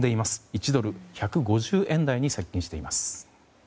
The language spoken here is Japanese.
１ドル＝１５０円台に接近しています。